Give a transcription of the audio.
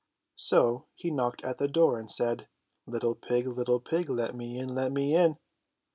So he knocked at the door and said :*' Little pig! Little pig! Let me in ! Let me in